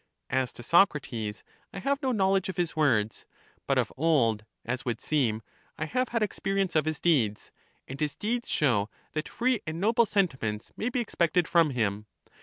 As to Socrates, I have no knowl edge of his words: but of old, as would seem, I have had experience of his deeds; and his deeds show that free and noble sentiments may be expected from him.